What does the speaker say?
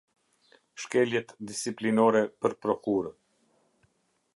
Shkeljet disiplinore për prokurorë.